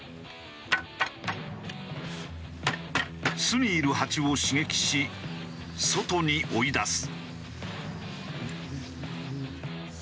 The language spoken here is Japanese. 巣にいるハチを刺激し外に追い出す。